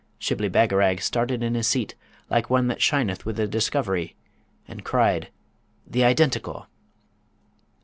Shibli Bagarag started in his seat like one that shineth with a discovery, and cried, 'The Identical!'